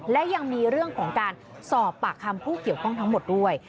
และยังมีเรื่องของการสอบปากคำผู้เกี่ยวข้องทั้งหมดด้วย